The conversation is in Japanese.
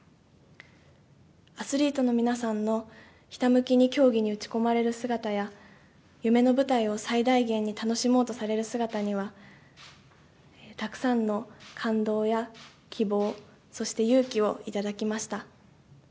アスリートの皆さんのひたむきに競技に打ち込まれる姿や、夢の舞台を最大限に楽しもうとされる姿には、たくさんの感動や希望、そして勇気を頂きました。